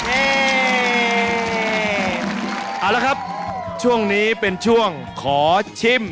เอาละครับช่วงนี้เป็นช่วงขอชิม